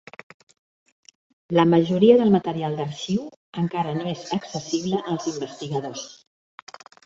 La majoria del material d'arxiu encara no és accessible als investigadors.